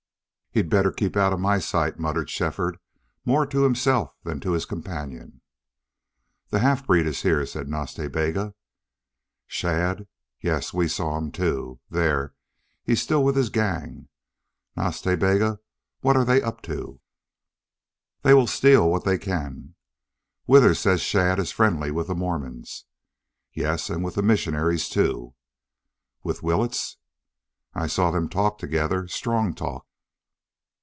"He'd better keep out of my sight," muttered Shefford, more to himself than to his companion. "The half breed is here," said Nas Ta Bega. "Shadd? Yes, we saw him. There! He's still with his gang. Nas Ta Bega, what are they up to?" "They will steal what they can." "Withers says Shadd is friendly with the Mormons." "Yes, and with the missionary, too." "With Willetts?" "I saw them talk together strong talk."